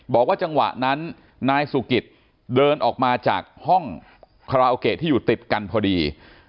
บอกว่าจังหวะนั้นนายสุกิตเดินออกมาจากห้องคาราโอเกะที่อยู่ติดกันพอดี